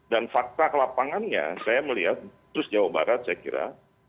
dan fakta kelapangannya saya melihat terus jawa barat saya kira